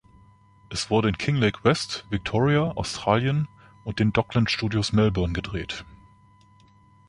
Es wurde in Kinglake West, Victoria, Australien und den Docklands Studios Melbourne gedreht.